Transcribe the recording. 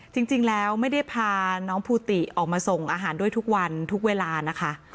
จริงแล้วไม่ได้พาน้องภูติออกมาส่งอาหารด้วยทุกวันทุกเวลานะคะ